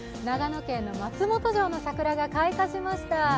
長野県の松本城の桜が開花しました。